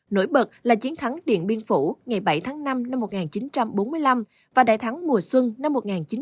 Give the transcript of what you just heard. nổi bật là chiến thắng điện biên phủ ngày bảy tháng năm năm một nghìn chín trăm bốn mươi năm và đại thắng mùa xuân năm một nghìn chín trăm bốn mươi năm